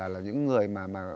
là những người mà